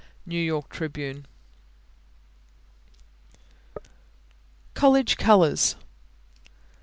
New York Tribune. COLLEGE COLORS.